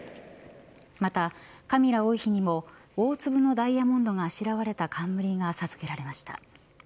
また、カミラ王妃にも大粒のダイヤモンドがあしらわれた冠が授けられました。